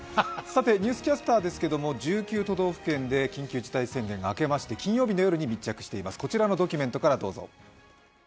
「ニュースキャスター」ですけれども１９都道府県で緊急事態宣言が明けまして金曜日の夜に密着しています、こちらのドキュメントからどうぞ。